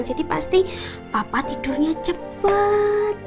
jadi pasti papa tidurnya cepet